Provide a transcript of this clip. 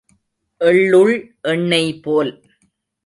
எள்ளுள் எண்ணெய் போல்.